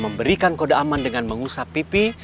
memberikan kode aman dengan mengusap pipi